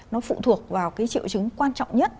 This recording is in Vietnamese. nó phụ thuộc vào cái triệu chứng quan trọng nhất